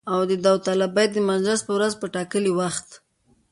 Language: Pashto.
او د داوطلبۍ د مجلس په ورځ په ټاکلي وخت